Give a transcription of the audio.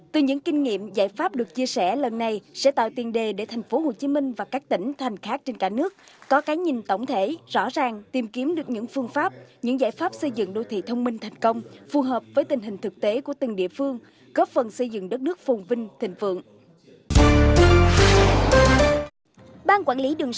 từ những kinh nghiệm giải pháp được chia sẻ lần này sẽ tạo tiền đề để tp hcm và các tỉnh thành khác trên cả nước có cái nhìn tổng thể rõ ràng tìm kiếm được những phương pháp những giải pháp xây dựng đô thị thông minh thành công phù hợp với tình hình thực tế của từng địa phương góp phần xây dựng đất nước phùng vinh thịnh vượng